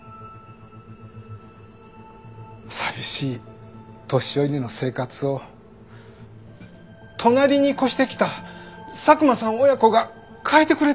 寂しい年寄りの生活を隣に越してきた佐久間さん親子が変えてくれたんです。